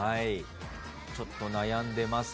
ちょっと悩んでますが。